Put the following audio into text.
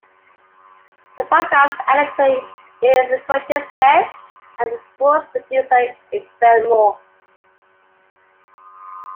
The programme's editor is Quentin Smith and the sports producer is Ben Moore.